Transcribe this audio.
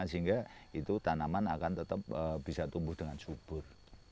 sehingga itu tanaman akan tetap bisa tumbuh dengan subur